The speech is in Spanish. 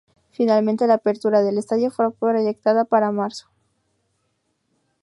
Finalmente, la apertura del estadio fue proyectada para marzo.